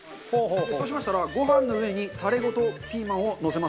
そうしましたらご飯の上にタレごとピーマンをのせます。